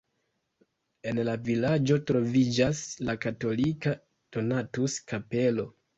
En la vilaĝo troviĝas la katolika Donatus-kapelo.